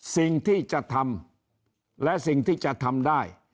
สิ่งที่จะทำและสิ่งที่จะทำได้